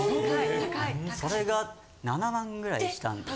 それが７万位したんです。